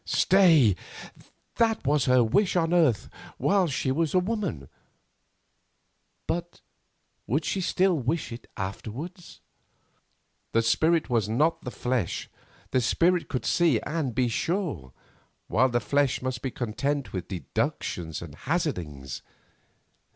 Stay! That was her wish on earth, while she was a woman. But would she still wish it afterwards? The spirit was not the flesh, the spirit could see and be sure, while the flesh must be content with deductions and hazardings.